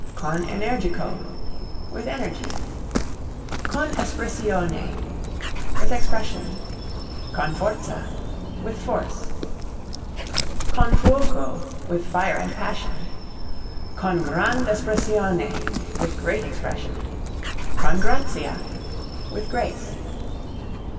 Con energico with energy. Con espressione with expression. Con forza with force. Con fuoco with fire and passion. Con grand' espressione with great expression. Con grazia with grace.